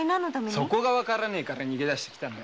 そこが分からねえから逃げ出して来たのよ。